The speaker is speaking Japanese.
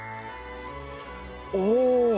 おお！